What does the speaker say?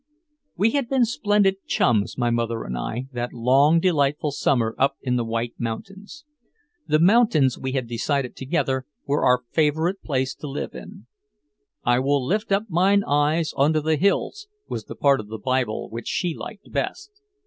We had been splendid chums, my mother and I, that long delightful summer up in the White Mountains. The mountains, we had decided together, were our favorite place to live in. "I will lift up mine eyes unto the hills," was the part of the Bible which she liked best.